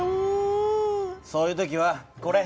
そういう時はこれ。